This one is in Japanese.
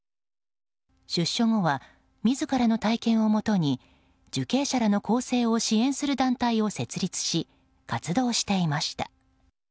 出所後は自らの体験をもとに受刑者らの更生を支援する団体を設立し、活動していました。